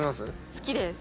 好きです。